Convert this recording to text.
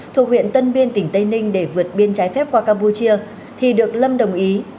thuộc huyện tân biên tỉnh tây ninh để vượt biên trái phép qua campuchia thì được lâm đồng ý